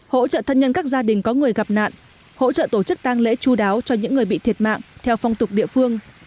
hỗ trợ thân nhân các gia đình có người gặp nạn hỗ trợ tổ chức tang lễ chú đáo cho những người bị thiệt mạng theo phong tục địa phương